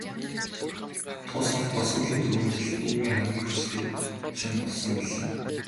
Тус холбоо сүүлийн дөрвөн жилд нийгмийн хамгийн хүчтэй хүчин болсон билээ.